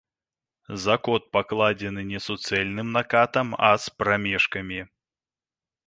Закот пакладзены не суцэльным накатам, а з прамежкамі.